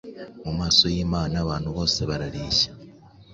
Mu maso y’Imana abantu bose barareshya,